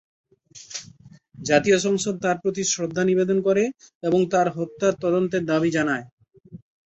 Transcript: জাতীয় সংসদ তার প্রতি শ্রদ্ধা নিবেদন করে এবং তার হত্যার তদন্তের দাবি জানায়।